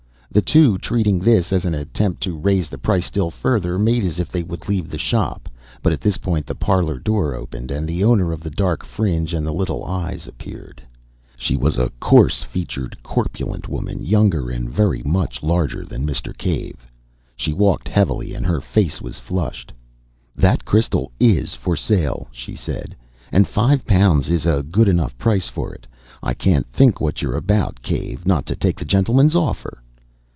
The two, treating this as an attempt to raise the price still further, made as if they would leave the shop. But at this point the parlour door opened, and the owner of the dark fringe and the little eyes appeared. She was a coarse featured, corpulent woman, younger and very much larger than Mr. Cave; she walked heavily, and her face was flushed. "That crystal is for sale," she said. "And five pounds is a good enough price for it. I can't think what you're about, Cave, not to take the gentleman's offer!"